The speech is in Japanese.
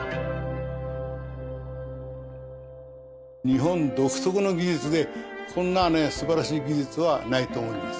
日本独特の技術でこんなねすばらしい技術はないと思います